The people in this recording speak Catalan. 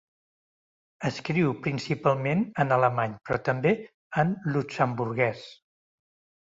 Escriu principalment en alemany però també en luxemburguès.